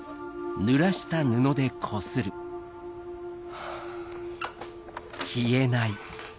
ハァ。